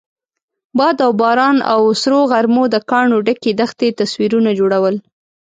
باد او باران او سرو غرمو د کاڼو ډکې دښتې تصویرونه جوړول.